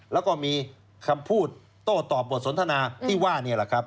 แล้วก็มีคำพูดโต้ตอบบทสนทนาที่ว่านี่แหละครับ